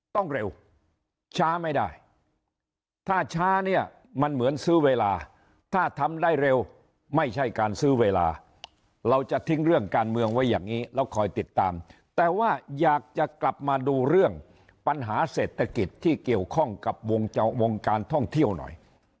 ต้องเร็วช้าไม่ได้ถ้าช้าเนี่ยมันเหมือนซื้อเวลาถ้าทำได้เร็วไม่ใช่การซื้อเวลาเราจะทิ้งเรื่องการเมืองไว้อย่างนี้แล้วคอยติดตามแต่ว่าอยากจะกลับมาดูเรื่องปัญหาเศรษฐกิจที่เกี่ยวข้องกับวงการท่องเที่ยวหน่อย